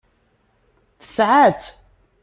Tesɛa-tt.